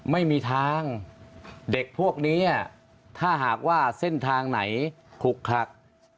ไม่มีทางเด็กพวกนี้ถ้าหากว่าเส้นทางไหนขลุกคลัก